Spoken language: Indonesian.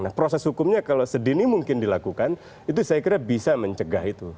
nah proses hukumnya kalau sedini mungkin dilakukan itu saya kira bisa mencegah itu